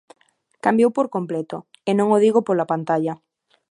Cambiou por completo, e non o digo pola pantalla.